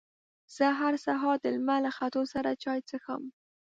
زه هر سهار د لمر له ختو سره چای څښم.